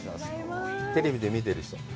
テレビで見てる人。